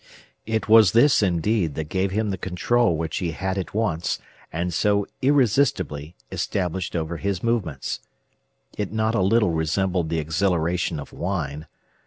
It was this, indeed, that gave him the control which he had at once, and so irresistibly, established over his movements. It not a little resembled the exhilaration of wine.